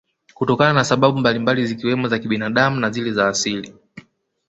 Kutokana na sababu mbalimbali zikiwemo za kibinadamu na zile za asili